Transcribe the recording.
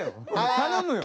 頼むよ。